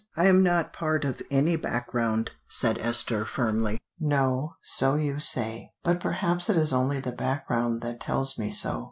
"I am not part of any background," said Esther firmly. "No, so you say; but perhaps it is only the background that tells me so.